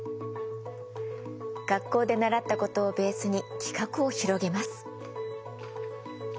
学校で習ったことをベースに企画を広げます。